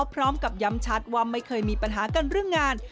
พร้อมกับย้ำชัดว่าไม่เคยมีปัญหากันเรื่องงาน